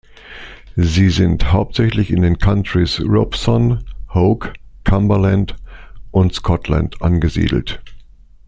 Sie sind hauptsächlich in den Countries Robeson, Hoke, Cumberland und Scotland angesiedelt.